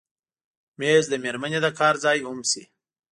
مېز د مېرمنې د کار ځای هم شي.